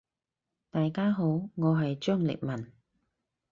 大家好，我係張力文。